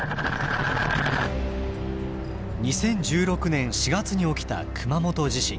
２０１６年４月に起きた熊本地震。